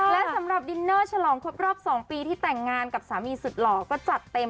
และสำหรับดินเนอร์ฉลองครบรอบ๒ปีที่แต่งงานกับสามีสุดหล่อก็จัดเต็ม